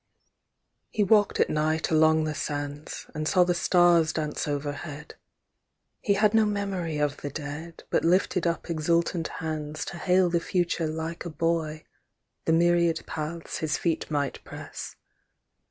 He walked at night along the sands, And saw the stars dance overhead, He had no memory of the dead, But lifted up exultant hands To hail the future like a boy, The myriad paths his feet might press.